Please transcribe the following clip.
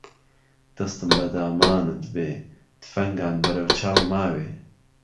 دهستم به دامانت بێ تفهنگان بهرهو چاو ماوێ